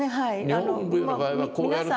日本舞踊の場合はこうやると。